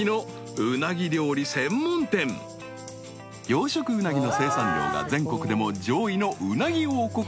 ［養殖ウナギの生産量が全国でも上位のうなぎ王国